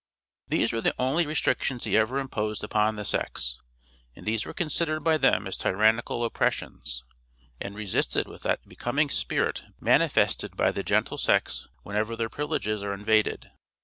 These were the only restrictions he ever imposed upon the sex, and these were considered by them as tyrannical oppressions, and resisted with that becoming spirit manifested by the gentle sex whenever their privileges are invaded.